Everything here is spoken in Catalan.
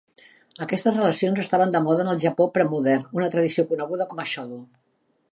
Aquestes relacions estaven de moda en el Japó premodern, una tradició coneguda com a shudo.